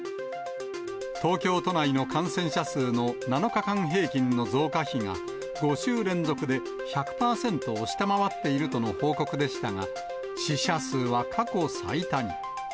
東京都内の感染者数の７日間平均の増加比が、５週連続で１００％を下回っているとの報告でしたが、死者数は過去最多に。